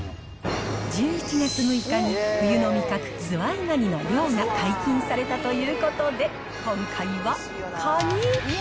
１１月６日に冬の味覚、ズワイガニの漁が解禁されたということで、今回は、カニ。